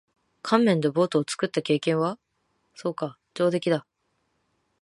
乾麺でボートを作った経験は？そうか。上出来だ。